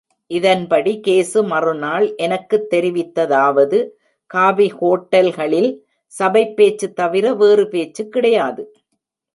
இதன்படி கேசு மறுநாள் எனக்குத் தெரிவித்ததாவது காபி ஹோட்டல்களில் சபைப் பேச்சு தவிர வேறு பேச்சு கிடையாது!